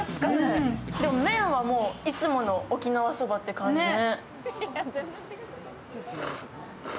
でも麺はいつもの沖縄そばっていう感じね。